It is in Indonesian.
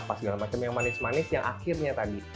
apa segala macam yang manis manis yang akhirnya tadi